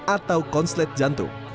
atau konslet jantung